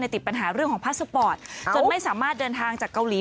ติดปัญหาเรื่องของพาสปอร์ตจนไม่สามารถเดินทางจากเกาหลี